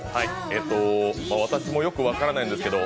私もよく分からないんですけど。